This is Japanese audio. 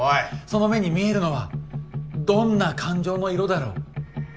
その目に見えるのはどんな感情の色だろう。